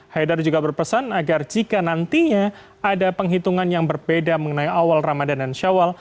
haidar juga berpesan agar jika nantinya ada penghitungan yang berbeda mengenai awal ramadan dan syawal